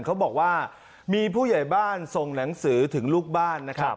เขาบอกว่ามีผู้ใหญ่บ้านส่งหนังสือถึงลูกบ้านนะครับ